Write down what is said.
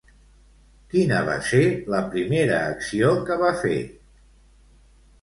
Quina va ser la primera acció que va fer?